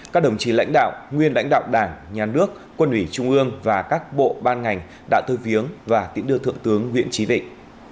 các đồng chí lãnh đạo nguyên lãnh đạo đảng nhà nước quân ủy trung ương và các bộ ban ngành đã tới viếng và tiễn đưa thượng tướng nguyễn trí vịnh